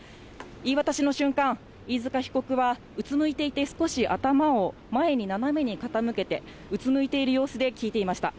言い渡しの瞬間、飯塚被告はうつむいていて、少し頭を前に、斜めに傾けて、うつむいている様子で聞いていました。